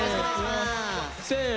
せの。